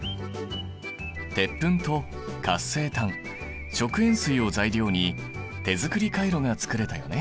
鉄粉と活性炭食塩水を材料に手作りカイロが作れたよね。